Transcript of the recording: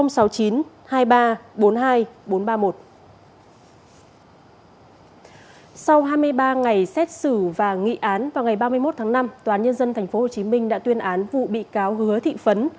sau hai mươi ba ngày xét xử và nghị án vào ngày ba mươi một tháng năm tòa án nhân dân tp hcm đã tuyên án vụ bị cáo hứa thị phấn